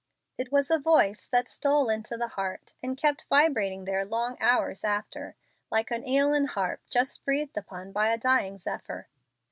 It was a voice that stole into the heart, and kept vibrating there long hours after, like an Aeolian harp just breathed upon by a dying zephyr.